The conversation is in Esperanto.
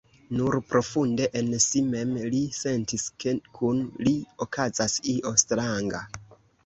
Nur profunde en si mem li sentis, ke kun li okazas io stranga.